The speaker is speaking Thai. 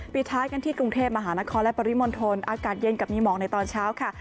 ปิดท้ายกันที่กรุงเทพมหานครและปริมณฑลอากาศเย็นกับมีหมอกในตอนเช้าค่ะ